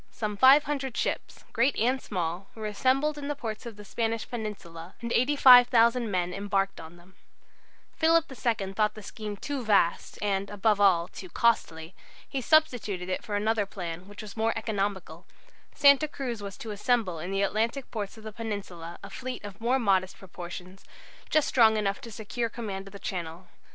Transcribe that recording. Some 500 ships, great and small, were to be assembled in the ports of the Spanish peninsula, and 85,000 men embarked on them. Philip II thought the scheme too vast, and, above all, too costly. He substituted for it another plan, which was more economical. Santa Cruz was to assemble in the Atlantic ports of the Peninsula a fleet of more modest proportions, just strong enough to secure command of the Channel.